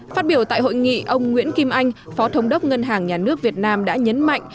phát biểu tại hội nghị ông nguyễn kim anh phó thống đốc ngân hàng nhà nước việt nam đã nhấn mạnh